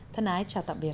thân ái chào tạm biệt